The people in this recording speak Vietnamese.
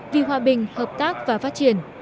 vì hòa bình hợp tác và phát triển